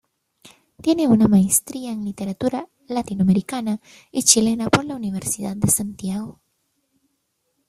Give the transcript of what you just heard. Tiene una maestría en Literatura Latinoamericana y Chilena por la Universidad de Santiago.